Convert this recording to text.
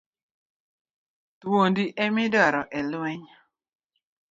Thuondi e midwaro e lweny.